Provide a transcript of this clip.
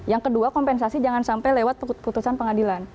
yang kedua kompensasi jangan sampai lewat putusan pengadilan